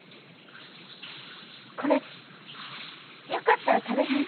これよかったら食べへん？